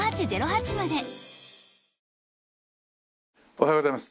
おはようございます。